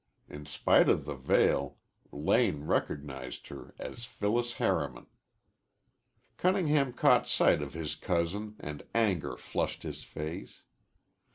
In spite of the veil Lane recognized her as Phyllis Harriman. Cunningham caught sight of his cousin and anger flushed his face.